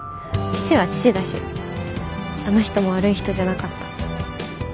父は父だしあの人も悪い人じゃなかった。